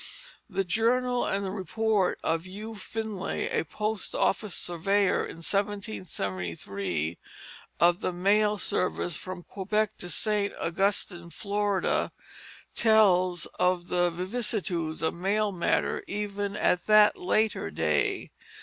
The journal and report of Hugh Finlay, a post office surveyor in 1773 of the mail service from Quebec to St. Augustine, Florida, tells of the vicissitudes of mail matter even at that later day.